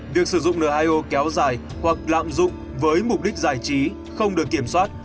việc sử dụng n hai o kéo dài hoặc lạm dụng với mục đích giải trí không được kiểm soát